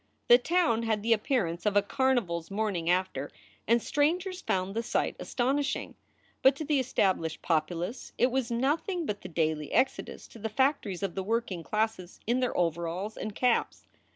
The town had the appearance of a carnival s morning after, and strangers found the sight astonishing. But to the established populace it was nothing but the daily exodus to the factories of the working classes in their overalls and caps.